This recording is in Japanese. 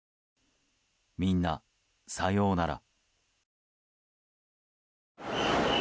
みんな、さようなら。